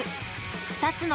［２つの］